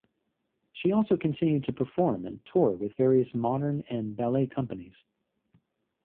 She also continued to perform and tour with various modern and ballet companies.